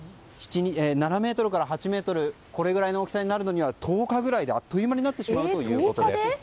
７ｍから８ｍこれぐらいの大きさになるには１０日ぐらいで、あっという間になってしまうということです。